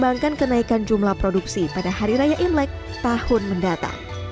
dan mengembangkan kenaikan jumlah produksi pada hari raya imlek tahun mendatang